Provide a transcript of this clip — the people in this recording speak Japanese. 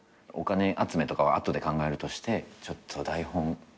お金集めとかは後で考えるとしてちょっと台本。